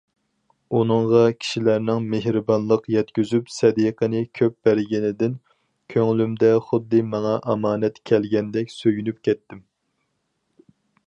ئۇنىڭغا كىشىلەرنىڭ مېھرىبانلىق يەتكۈزۈپ سەدىقىنى كۆپ بەرگىنىدىن، كۆڭلۈمدە خۇددى ماڭا ئامەت كەلگەندەك سۆيۈنۈپ كەتتىم.